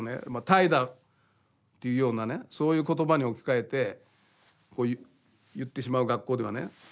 「怠惰」っていうようなねそういう言葉に置き換えてこう言ってしまう学校ではね